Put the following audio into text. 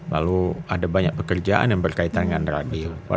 lalu ada banyak pekerjaan yang berkaitan dengan radio